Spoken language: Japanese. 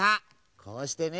こうしてね。